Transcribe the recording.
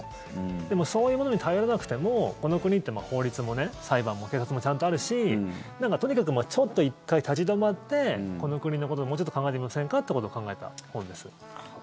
でもそういうものに頼らなくてもこの国って、法律も裁判も警察もちゃんとあるしとにかくちょっと１回立ち止まってこの国のことを、もうちょっと考えてみませんかってことを考えた本です。